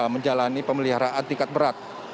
menjalani pemeliharaan tingkat berat